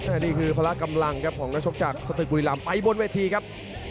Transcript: อันนี้คือพละกำลังครับของนักชกจากสตึกบุรีรำไปบนเวทีครับ